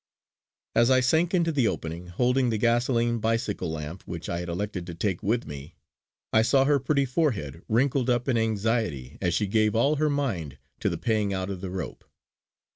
As I sank into the opening, holding the gasoline bicycle lamp which I had elected to take with me, I saw her pretty forehead wrinkled up in anxiety as she gave all her mind to the paying out of the rope.